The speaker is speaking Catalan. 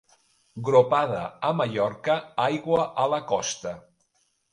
Gropada a Mallorca, aigua a la costa.